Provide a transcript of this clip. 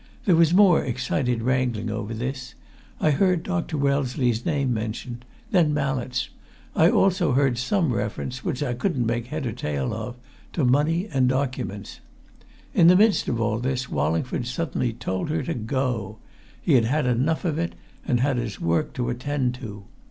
There was more excited wrangling over this I heard Dr. Wellesley's name mentioned, then Mallett's: I also heard some reference, which I couldn't make head or tail of, to money and documents. In the midst of all this Wallingford suddenly told her to go; he had had enough of it, and had his work to attend to.